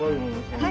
はい。